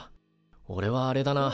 おれはあれだな。